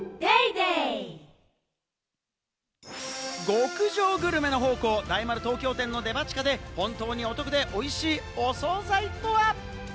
極上グルメの宝庫、大丸東京店のデパ地下で本当にお得でおいしいお総菜とは？